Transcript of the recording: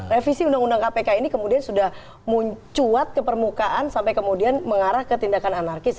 revisi undang undang kpk ini kemudian sudah mencuat ke permukaan sampai kemudian mengarah ke tindakan anarkis